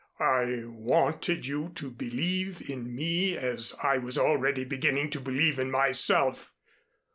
I wanted you to believe in me as I was already beginning to believe in myself.